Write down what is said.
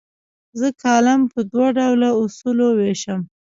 زه کالم په دوه ډوله اصولو ویشم.